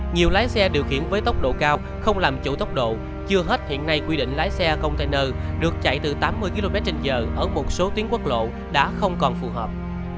nhiều lái xe điều khiển với tốc độ cao không làm chủ tốc độ chưa hết hiện nay quy định lái xe container được chạy từ tám mươi km trên giờ ở một số tuyến quốc lộ đã không còn phù hợp